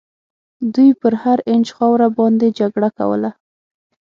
دوی پر هر اینچ خاوره باندي جګړه کوله.